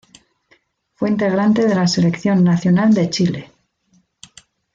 Fue integrante de la selección nacional de Chile.